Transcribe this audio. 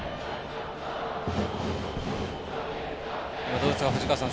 どうでしょうか、藤川さん